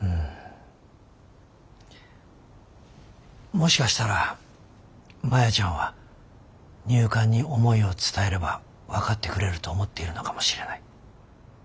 もしかしたらマヤちゃんは入管に思いを伝えれば分かってくれると思っているのかもしれない。